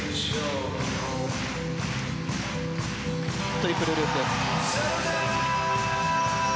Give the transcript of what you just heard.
トリプルループ。